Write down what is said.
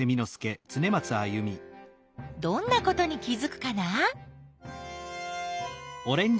どんなことに気づくかな？